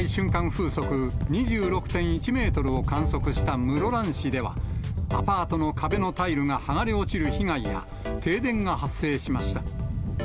風速２６．１メートルを観測した室蘭市では、アパートの壁のタイルが剥がれ落ちる被害や、停電が発生しました。